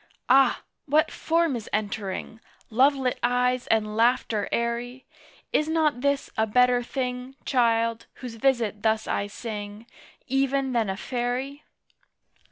Ah! What form is entering? Lovelit eyes and laughter airy! Is not this a better thing, Child, whose visit thus I sing, Even than a Fairy?